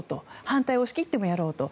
反対を押し切ってもやろうと。